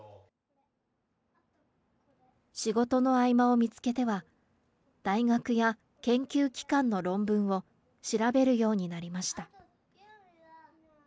仕事の合間を見つけては、大学や研究機関の論文を、調べるようになりました。